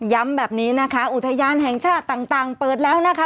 ย้ำแบบนี้นะคะอุทยานแห่งชาติต่างเปิดแล้วนะคะ